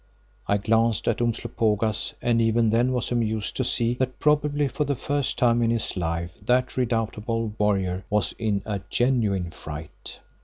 I glanced at Umslopogaas and even then was amused to see that probably for the first time in his life that redoubtable warrior was in a genuine fright.